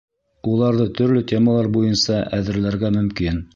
Уларҙы төрлө темалар буйынса әҙерләргә мөмкин.